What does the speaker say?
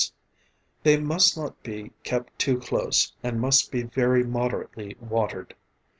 They must not be kept too close, and must be very moderately watered.